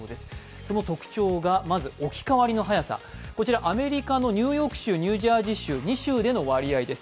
その特徴が、まず置き換わりの早さアメリカのニューヨーク州、ニュージャージー州、２州での割合です。